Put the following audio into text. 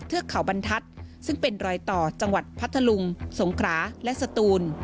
เทือกเขาบรรทัศน์ซึ่งเป็นรอยต่อจังหวัดพัทธลุงสงขราและสตูน